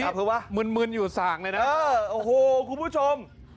คุณผู้ชม